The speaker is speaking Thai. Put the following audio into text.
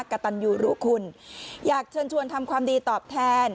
กระตันยูรุคุณอยากเชิญชวนทำความดีตอบแทน